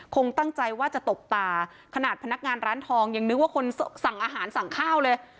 คงตั้งใจว่าจะตบตาขนาดพนักงานร้านทองยังนึกว่าคนสั่งอาหารสั่งข้าวเลย